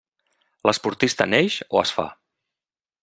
L'esportista neix o es fa.